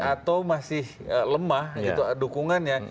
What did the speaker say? atau masih lemah dukungannya